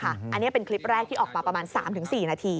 อันนี้เป็นคลิปแรกที่ออกมาประมาณ๓๔นาที